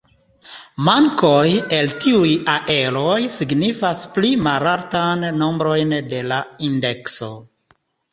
Mankoj el tiuj areoj signifas pli malaltan nombrojn de la indekso.